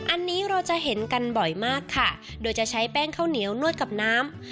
อันนี้เราจะเห็นกันบ่อยมากค่ะโดยจะใช้แป้งข้าวเหนียวนวดกับน้ำ